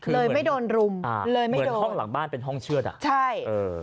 เลยไม่โดนรุมเหมือนห้องหลังบ้านเป็นห้องเชือดอ่ะใช่